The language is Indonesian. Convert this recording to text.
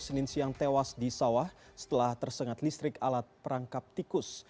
senin siang tewas di sawah setelah tersengat listrik alat perangkap tikus